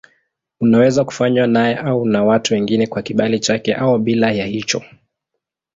Unaweza kufanywa naye au na watu wengine kwa kibali chake au bila ya hicho.